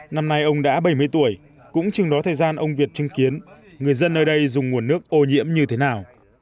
năm nay ông đã bảy mươi tuổi cũng chừng đó thời gian ông việt chứng kiến người dân nơi đây dùng nguồn nước ô nhiễm như thế nào